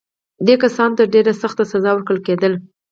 دې کسانو ته به ډېره سخته سزا ورکول کېدله.